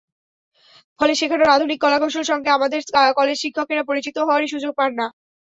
ফলে শেখানোর আধুনিক কলাকৌশলের সঙ্গে আমাদের কলেজশিক্ষকেরা পরিচিত হওয়ারই সুযোগ পান না।